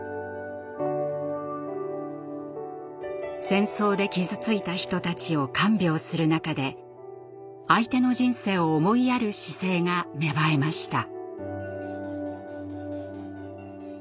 戦争で傷ついた人たちを看病する中で相手の人生を思いやる姿勢が芽生えました。